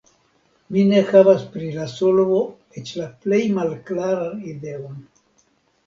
Mi ne havas pri la solvo eĉ la plej malklaran ideon.